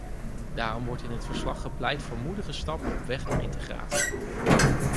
Daarom wordt in het verslag gepleit voor moedige stappen op weg naar integratie.